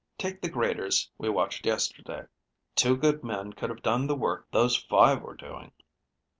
Take the graders we watched yesterday. Two good men could have done the work those five were doing.